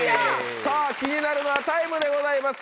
さぁ気になるのはタイムでございます